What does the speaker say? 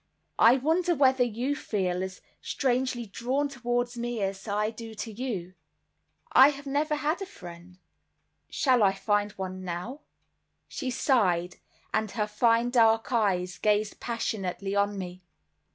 I wonder whether you feel as strangely drawn towards me as I do to you; I have never had a friend—shall I find one now?" She sighed, and her fine dark eyes gazed passionately on me.